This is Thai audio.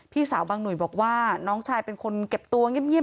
พี่สาวบางหนุ่ยบอกว่าน้องชายเป็นคนเก็บตัวเงียบ